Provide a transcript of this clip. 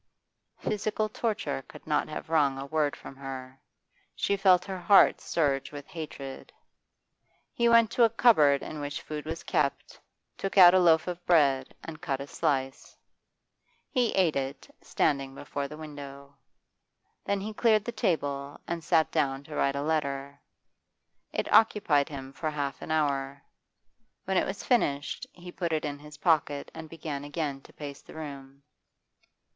Physical torture could not have wrung a word from her. She felt her heart surge with hatred. He went to the cupboard in which food was kept, took out a loaf of bread, and cut a slice. He ate it, standing before the window. Then he cleared the table and sat down to write a letter; it occupied him for hall an hour. When it was finished, he put it in his pocket and began again to pace the room.